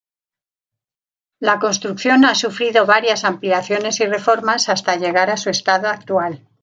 La construcción ha sufrido varias ampliaciones y reformas hasta llegar a su estado actual.